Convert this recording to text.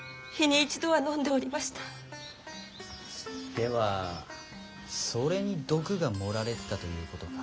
ではそれに毒が盛られてたということか。